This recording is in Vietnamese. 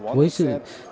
với sự kiểm tra